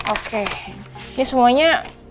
oke ini semuanya